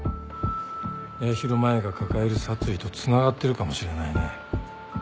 八尋舞が抱える殺意とつながってるかもしれないね。